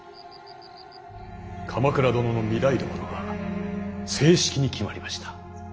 鎌倉殿の御台所が正式に決まりました。